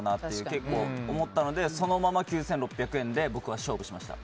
結構思ったのでそのまま９６００円で僕は勝負しました。